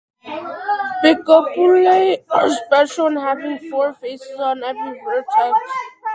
Bicupolae are special in having four faces on every vertex.